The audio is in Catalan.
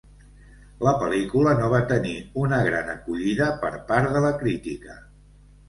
La pel·lícula no va tenir una gran acollida per part de la crítica.